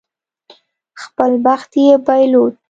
خپل بخت یې بایلود.